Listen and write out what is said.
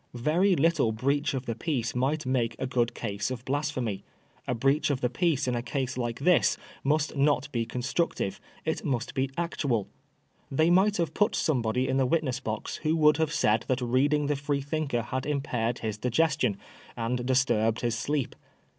Very little breach of the peace might make a good case of blasphemy. A breach of the peace in a case like this must not be constructiye ; it must be actual They might have put somebody in the witness box who would have said that reading the Freethinker had impaired his digestion and disturbed his sleep.